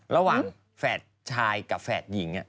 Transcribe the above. ระหว่างแฝดชายกับแฝดหญิง